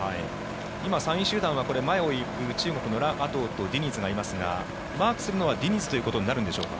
今、３位集団は前を行く中国のラ・アトウとディニズがいますがマークするのはディニズということになるんでしょうか？